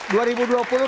terima kasih mas eko